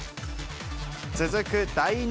続く第２